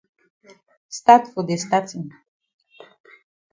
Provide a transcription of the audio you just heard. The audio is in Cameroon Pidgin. Stat for de statin.